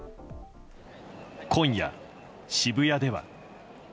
今夜、渋谷では。